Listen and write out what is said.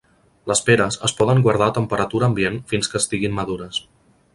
Les peres es poden guardar a temperatura ambient fins que estiguin madures.